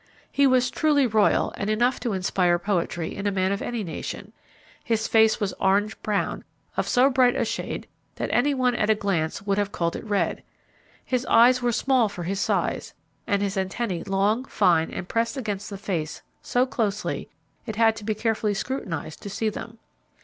He was truly royal and enough to inspire poetry in a man of any nation. His face was orange brown, of so bright a shade that any one at a glance would have called it red. His eyes were small for his size, and his antennae long, fine, and pressed against the face so closely it had to be carefully scrutinized to see them.